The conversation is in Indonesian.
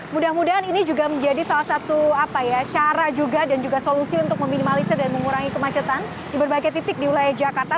mudah mudahan ini juga menjadi salah satu cara juga dan juga solusi untuk meminimalisir dan mengurangi kemacetan di berbagai titik di wilayah jakarta